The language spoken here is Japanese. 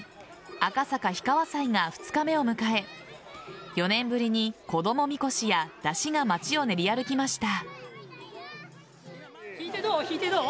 赤坂氷川祭が２日目を迎え４年ぶりに子供みこしや山車が街を練り歩きました。